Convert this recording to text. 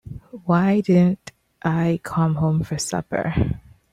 Why didn't I come home for supper?